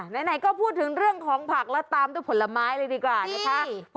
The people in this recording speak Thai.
ไหนก็พูดถึงเรื่องของผักแล้วตามด้วยผลไม้เลยดีกว่านะคะ